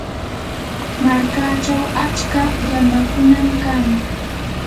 markachaw achka llamakunam kan.